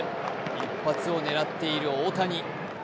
一発を狙っている大谷。